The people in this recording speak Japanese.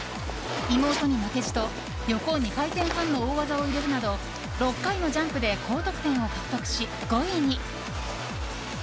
妹に負けじと横２回転半の大技を入れるなど６回のジャンプで高得点を獲得し、５位に。